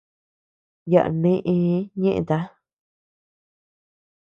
Yaʼa neʼëe ñeʼeta.